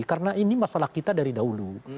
karena ini masalah kita dari dahulu